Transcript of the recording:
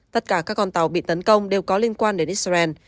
tất cả các con tàu bị tấn công đều có liên quan đến israel